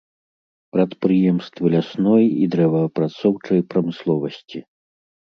Прадпрыемствы лясной і дрэваапрацоўчай прамысловасці.